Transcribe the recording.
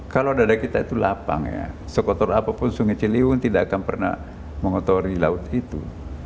kalau dada kita itu lapang ya sekotor apapun sungai ciliwung tidak akan pernah mengotori laut itu